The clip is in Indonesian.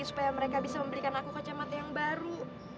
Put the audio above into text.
supaya mereka bisa memberikan aku kacamata yang baru